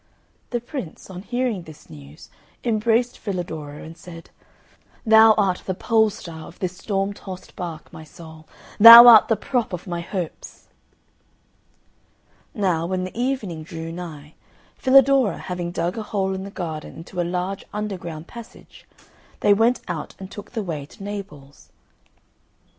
The Prince, on hearing this news, embraced Filadoro and said, "Thou art the pole star of this storm tossed bark, my soul! Thou art the prop of my hopes." Now, when the evening drew nigh, Filadoro having dug a hole in the garden into a large underground passage, they went out and took the way to Naples.